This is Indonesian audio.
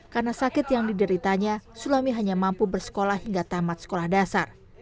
karena sakit yang dideritanya sulami hanya mampu bersekolah hingga tamat sekolah dasar